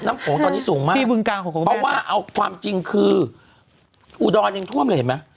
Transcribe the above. น้ำขงตอนนี้สูงมากเพราะว่าเอาความจริงคืออุดรยังท่วมเลยเห็นไหม